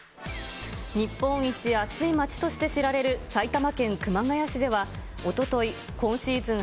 日本一暑い町として知られる埼玉県熊谷市では、おととい、今シーズン